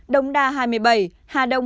đồng đa hai mươi bảy hà đông hai mươi năm